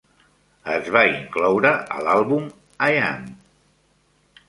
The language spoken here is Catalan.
Es va incloure a l"àlbum "I Am".